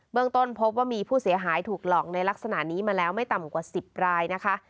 เมืองต้นพบว่ามีผู้เสียหายถูกหลอกในลักษณะนี้มาแล้วไม่ต่ำกว่า๑๐รายนะคะ